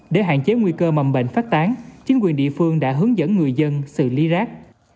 để hạn chế nguy cơ mầm bệnh phát tán chính quyền địa phương đã hướng dẫn người dân xử lý rác